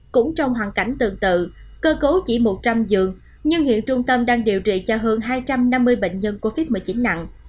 cũng trong hoàn cảnh tương tự cơ cấu chỉ một trăm linh giường nhưng hiện trung tâm đang điều trị cho hơn hai trăm năm mươi bệnh nhân covid một mươi chín nặng